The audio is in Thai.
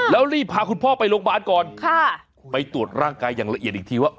แล้วรีบพาคุณพ่อไปโรงพยาบาลก่อนไปตรวจร่างกายอย่างละเอียดอีกทีว่า